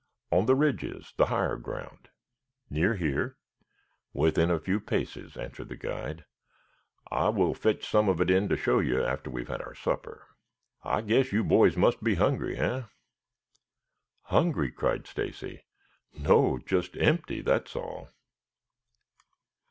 "On the ridges, the higher ground." "Near here?" "Within a few paces," answered the guide. "I will fetch some of it in to show you after we have had our supper. I guess you boys must be hungry, eh?" "Hungry?" cried Stacy. "No, just empty, that's all."